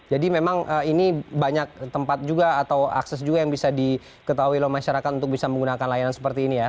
jadi memang ini banyak tempat juga atau akses juga yang bisa diketahui loh masyarakat untuk bisa menggunakan layanan seperti ini ya